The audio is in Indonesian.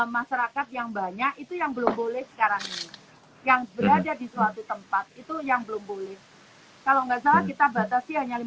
masyarakat yang banyak itu yang belum boleh sekarang ini